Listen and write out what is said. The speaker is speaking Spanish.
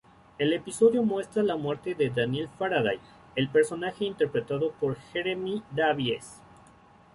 El episodio muestra la muerte de Daniel Faraday, el personaje interpretado por Jeremy Davies.